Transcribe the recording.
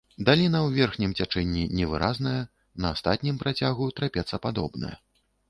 Даліна ў верхнім цячэнні невыразная, на астатнім працягу трапецападобная.